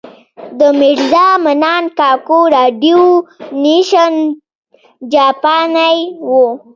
د میرزا منان کاکو راډیو نېشن جاپانۍ وه.